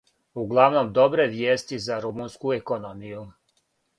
Углавном добре вијести за румунску економију